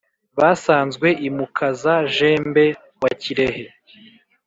basanzwe i mukaza-jembe wa kirehe,